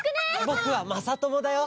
ぼくはまさともだよ！